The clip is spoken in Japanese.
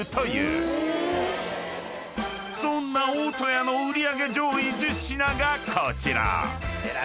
［そんな大戸屋の売り上げ上位１０品がこちら］